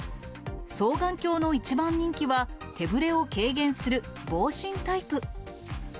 双眼鏡の一番人気は、手ぶれを軽減する防振タイプ。